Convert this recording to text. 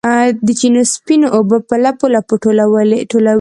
د چینو سپینې اوبه په لپو، لپو ټولوي